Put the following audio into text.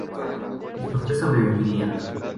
El chofer sobreviviría.